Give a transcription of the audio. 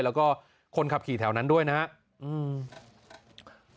แล้วก็คนขับขี่แถวนั้นด้วยนะครับ